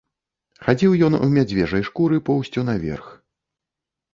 Хадзіў ён у мядзведжай шкуры поўсцю наверх.